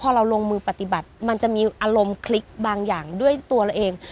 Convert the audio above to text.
พอเราลงมือปฏิบัติมันจะมีอารมณ์คลิกบางอย่างด้วยตัวเราเอง